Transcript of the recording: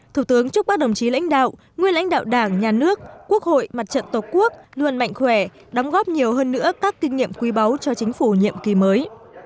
thủ tướng chúc các đồng chí lãnh đạo nguyên lãnh đạo đảng nhà nước quốc hội mặt trận tổ quốc luôn mạnh khỏe đóng góp nhiều hơn nữa các kinh nghiệm quý báu cho chính phủ nhiệm kỳ mới